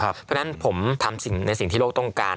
เพราะฉะนั้นผมทำในสิ่งที่โลกต้องการ